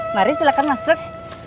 mari silahkan masuk